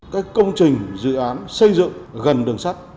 các công trình dự án xây dựng gần đường sắt